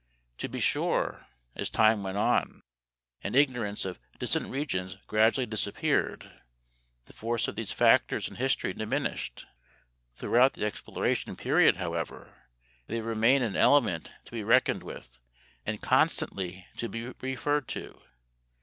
To be sure, as time went on and ignorance of distant regions gradually disappeared, the force of these factors in history diminished. Throughout the exploration period, however, they remain an element to be reckoned with and constantly to be referred to.